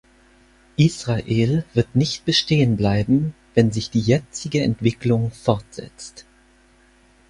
Israel wird nicht bestehen bleiben, wenn sich die jetzige Entwicklung fortsetzt.